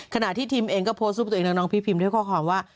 ขณะที่ทิมเองก็โพสต์รูปตัวเองและน้องพี่พิมด้วยข้อความว่า